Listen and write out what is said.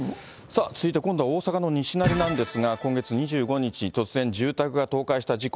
続いて今度は大阪の西成なんですが、今月２５日、突然住宅が倒壊した事故。